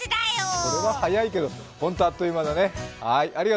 それは早いけどホントあっという間だね。